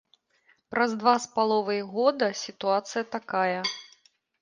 Праз два з паловай года сітуацыя такая.